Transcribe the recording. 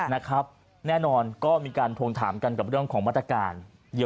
แน่นอนก็มีการพลงถามกันกับเรื่องของวัตการณ์